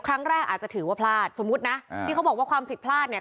ครั้งแรกอาจจะถือว่าพลาดสมมุตินะที่เขาบอกว่าความผิดพลาดเนี่ย